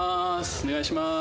お願いします